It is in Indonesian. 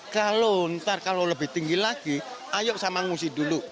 kalau ntar kalau lebih tinggi lagi ayo sama ngusi dulu